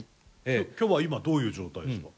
今日は今どういう状態ですか？